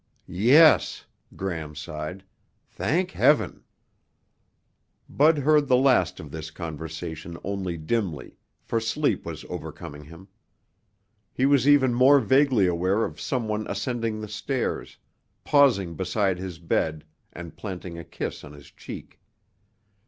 "Yes!" Gram sighed. "Thank Heaven!" Bud heard the last of this conversation only dimly, for sleep was overcoming him. He was even more vaguely aware of someone ascending the stairs, pausing beside his bed and planting a kiss on his cheek.